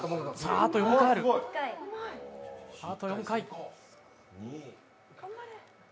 あと４回ある、あと４回。